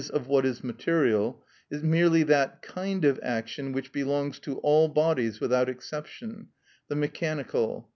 _ of what is material), is merely that kind of action which belongs to all bodies without exception, the mechanical.